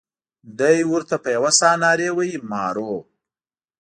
دای ورته په یوه ساه نارې وهي مارو.